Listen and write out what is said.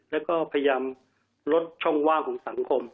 แล้วก็พยายามลดช่องว่างของสังคม